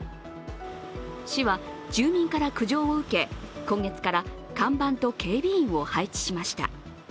市は、住民から苦情を受け、今月から看板と警備員を配置しました。